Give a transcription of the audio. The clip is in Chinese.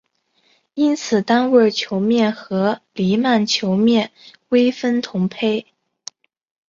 因此单位球面和黎曼球面微分同胚。